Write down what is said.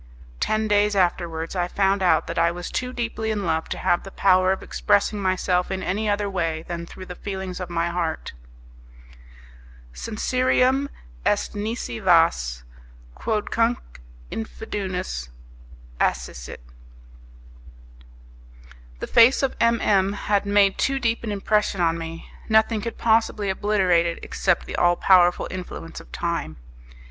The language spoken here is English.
Ten days afterwards I found out that I was too deeply in love to have the power of expressing myself in any other way than through the feelings of my heart. 'Sincerium est nisi vas, quodcunque infundis acescit.' The face of M M had made too deep an impression on me; nothing could possibly obliterate it except the all powerful influence of time.